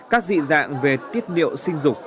các dị dạng về tiết niệu sinh dục